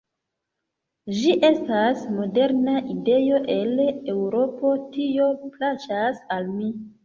Ĝi estas moderna ideo el Eŭropo; tio plaĉas al mi.